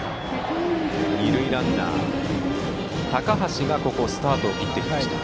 二塁ランナーの高橋がスタートを切ってきました。